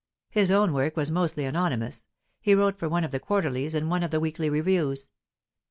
His own work was mostly anonymous; he wrote for one of the quarterlies and one of the weekly reviews.